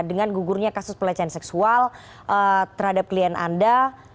dengan gugurnya kasus pelecehan seksual terhadap klien anda